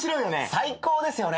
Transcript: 最高ですよね。